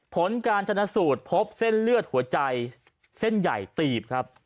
ผลการชนะสูตรพบเส้นเลือดหัวใจเส้นใหญ่ตีบครับ